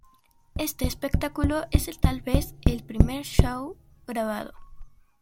Este espectáculo es tal vez el primer show grabado.